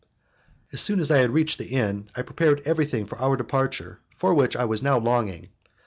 As soon as I had reached the inn, I prepared everything for our departure for which I was now longing.